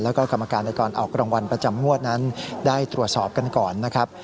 แล้วก็กรรมการในการออกรางวัลประจำงวดนั้นได้ตรวจสอบกันก่อนนะครับ